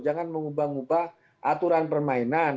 jangan mengubah ubah aturan permainan